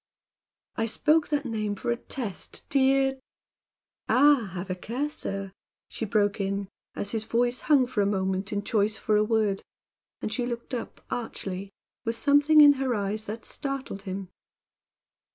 "I spoke that name for a test, dear " "Ah! Have a care, sir!" she broke in, as his voice hung for a moment in choice for a word, and she looked up archly, with something in her eyes that startled him.